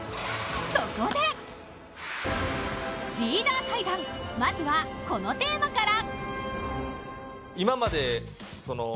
そこで、リーダー対談、まずはこのテーマから。